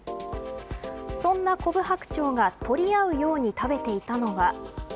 そんなコブハクチョウが取り合うように食べていたのは。